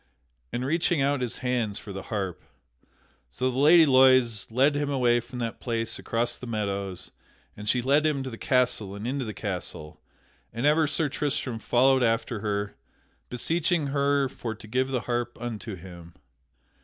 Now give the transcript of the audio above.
and reaching out his hands for the harp. So the Lady Loise led him away from that place across the meadows; and she led him to the castle and into the castle; and ever Sir Tristram followed after her, beseeching her for to give the harp unto him.